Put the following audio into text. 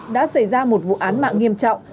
đã xảy ra một vụ án mạng nghiêm trọng